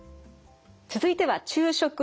続いては昼食です。